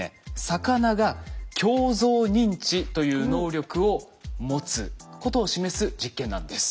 魚が鏡像認知という能力を持つことを示す実験なんです。